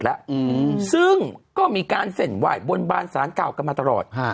แล้วอืมซึ่งก็มีการเส้นไหว้บนบานสารเก่ากันมาตลอดฮะ